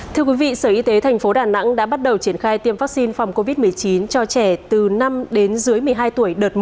thưa quý vị sở y tế tp đà nẵng đã bắt đầu triển khai tiêm vaccine phòng covid một mươi chín cho trẻ từ năm đến dưới một mươi hai tuổi đợt một